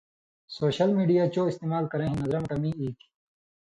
سوشل میڈیاں چو استعمال کرَیں ہِن نظرہ مہ کمی ایتھی